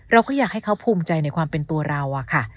เราก็อยากให้เขาภูมิใจในความเป็นตัวเราอะค่ะ